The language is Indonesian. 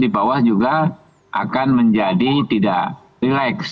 di bawah juga akan menjadi tidak relax